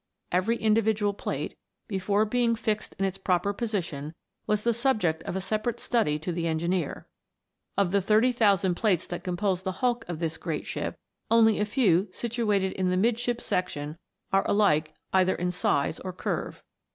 Every individual plate, before being fixed in its proper position, was the subject of a separate study to the engineer. Of the thirty thousand plates that com pose the hulk of this great ship, only a few situated in the midship section are alike either in size or curve.